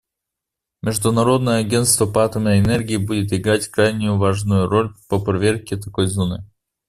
Международное агентство по атомной энергии будет играть крайне важную роль по проверке такой зоны.